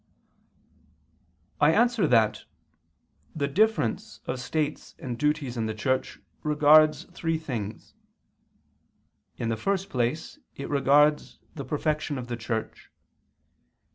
I answer that, The difference of states and duties in the Church regards three things. In the first place it regards the perfection of the Church.